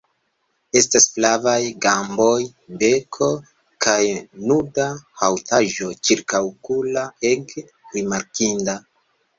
Estas flavaj gamboj, beko kaj nuda haŭtaĵo ĉirkaŭokula ege rimarkinda.